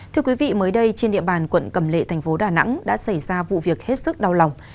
thưa quý vị mới đây trên địa bàn quận cầm lệ thành phố đà nẵng đã xảy ra vụ việc hết sức đau lòng